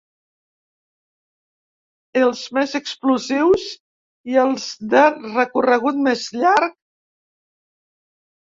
Els més explosius i els de recorregut més llarg?